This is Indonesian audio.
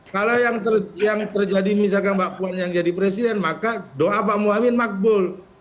kalau yang terjadi misalkan mbak puan yang jadi presiden maka doa pak muhaymin makbul